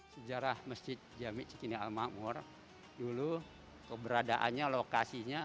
sejarah masjid jamik cikini al maqmur dulu keberadaannya lokasinya